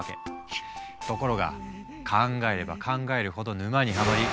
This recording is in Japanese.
ところが考えれば考えるほど沼にはまり